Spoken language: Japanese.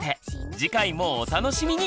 次回もお楽しみに！